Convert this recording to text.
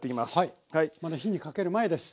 まだ火にかける前です。